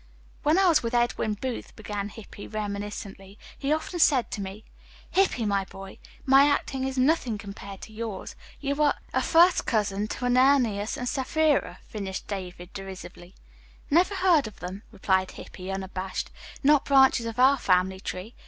"When I was with Edwin Booth," began Hippy reminiscently, "he often said to me, 'Hippy, my boy, my acting is nothing compared to yours. You are '" "A first cousin to Ananias and Sapphira," finished David derisively. "Never heard of them," replied Hippy unabashed. "Not branches of our family tree.